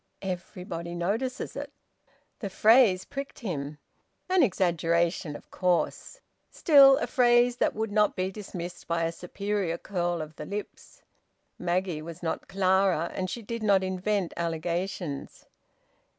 "Everybody notices it!" The phrase pricked him. An exaggeration, of course! Still, a phrase that would not be dismissed by a superior curl of the lips. Maggie was not Clara, and she did not invent allegations.